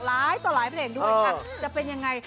หลายต่อหลายเพลงด้วยค่ะจะเป็นยังไง